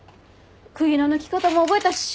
釘の抜き方も覚えたし。